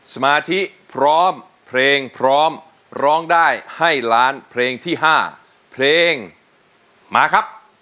สมาธิพร้อมเพลงพร้อมร้องได้ให้ล้านเพลงที่๕เพลงมาครับ